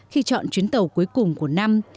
khi chọn chuyến tàu cuối cùng của năm